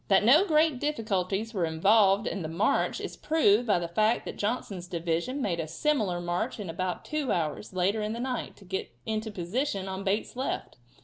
That no great difficulties were involved in the march is proved by the fact that Johnson's division made a similar march in about two hours, later in the night, to get into position on Bate's left.